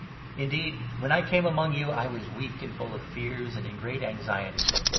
Indeed, 3 when I came among you, I was weak, and full of fears, and in great anxiety.